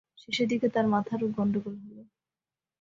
শেষের দিকে তাঁর মাথারও গণ্ডগোল হল।